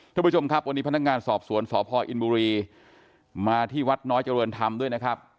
ทุกผู้ชมครับวันนี้พนักงานสอบสวนสพอินบุรีมาที่วัดน้อยเจริญธรรมด้วยนะครับ